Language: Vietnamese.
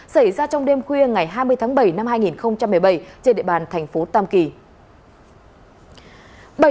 xảy ra trong đêm khuya ngày hai mươi tháng bảy năm hai nghìn một mươi bảy trên địa bàn thành phố tam kỳ